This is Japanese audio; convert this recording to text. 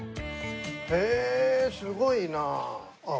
へえすごいなあ。